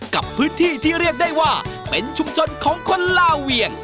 กับพื้นที่ที่เรียกได้ว่าเป็นชุมชนของคนลาเวียง